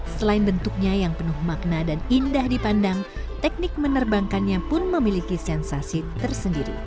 selain bentuknya yang penuh makna dan indah dipandang teknik menerbangkannya pun memiliki sensasi tersendiri